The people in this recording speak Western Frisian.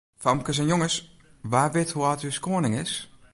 Famkes en jonges, wa wit hoe âld as ús koaning is?